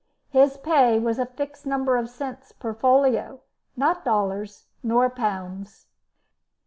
His pay was a fixed number of cents per folio, not dollars, nor pounds.